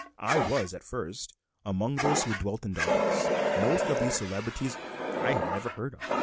I was, at first, among those who dwelt in darkness. Most of these celebrities I had never heard of.